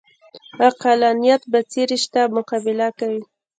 عقلانیت بڅري شته مقابله کوي